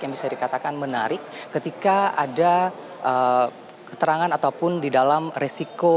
yang bisa dikatakan menarik ketika ada keterangan ataupun di dalam resiko